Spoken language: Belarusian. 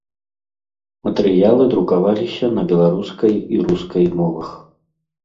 Матэрыялы друкаваліся на беларускай і рускай мовах.